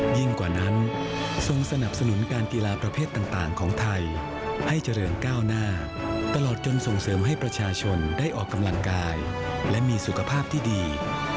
กว่านั้นทรงสนับสนุนการกีฬาประเภทต่างของไทยให้เจริญก้าวหน้าตลอดจนส่งเสริมให้ประชาชนได้ออกกำลังกายและมีสุขภาพที่ดี